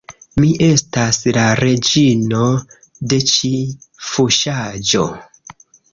Mi estas la reĝino de ĉi fuŝaĵo